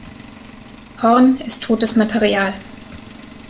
Horn ist totes Material.